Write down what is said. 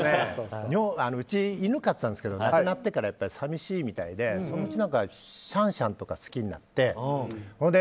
うち、犬飼ってたんですけど亡くなってから寂しいみたいでそのうち、シャンシャンとか好きになって。